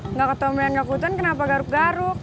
enggak ketombean enggak kutuan kenapa garuk garuk